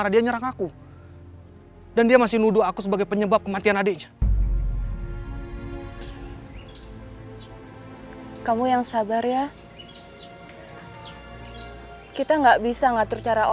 tadi waktu aku keluar hotel aku gak sengaja ketemu sama mantan kakak ipar aku